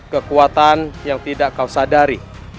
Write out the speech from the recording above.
kekuatan yang tidak kau sadari